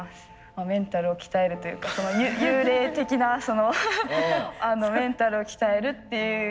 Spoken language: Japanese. メンタルを鍛えるというか幽霊的なメンタルを鍛えるっていう。